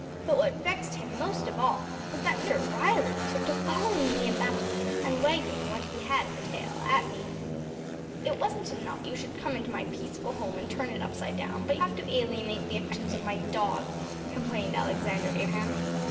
But what vexed him most of all was that Mr. Riley took to following me about and wagging what he had of a tail at me. “It wasn’t enough that you should come into my peaceful home and turn it upside down, but you have to alienate the affections of my dog,‚ÄĚ complained Alexander Abraham.